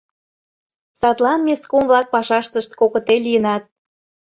Садлан местком-влак пашаштышт кокыте лийыныт.